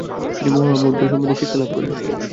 তিনি মহামুদ্রা সম্বন্ধে শিক্ষালাভ করেন।